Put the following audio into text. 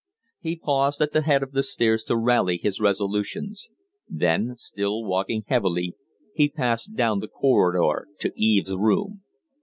He paused at the head of the stairs to rally his resolutions; then, still walking heavily, he passed down the corridor to Eve's room.